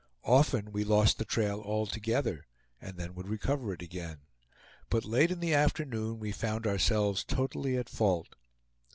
Often we lost the trail altogether, and then would recover it again, but late in the afternoon we found ourselves totally at fault.